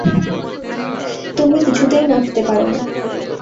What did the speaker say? তুমি কিছুতেই নাবতে পার না।